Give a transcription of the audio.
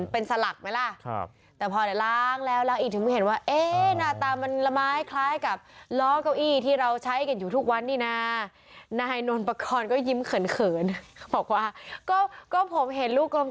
พอล้างไปล้างมาถึงค่อยเห็นสภาพหน้าตามันว่าหม๐๐๐